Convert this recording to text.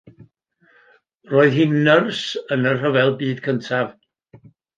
Roedd hi'n nyrs yn y Rhyfel Byd Cyntaf.